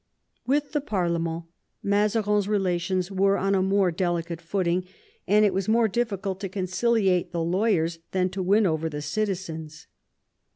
With the parlement Mazarines relations were on a more delicate footing, and it was more difficult to conciliate the lawyers than to win over the citizens.